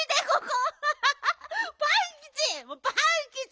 パンキチ！